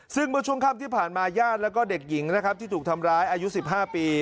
ซึ่งเมื่อช่วงค่ำที่ผ่านมาญาติแล้วก็เด็กหญิงนะครับที่ถูกทำร้ายอายุ๑๕ปี